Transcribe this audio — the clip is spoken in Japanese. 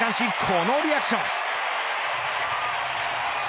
このリアクション。